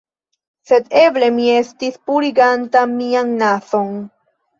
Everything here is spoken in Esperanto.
Sed eble mi estis puriganta mian nazon